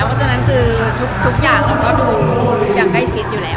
เพราะฉะนั้นคือทุกอย่างเราก็ดูอย่างใกล้ชิดอยู่แล้ว